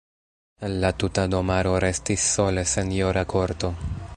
El la tuta domaro restis sole senjora korto.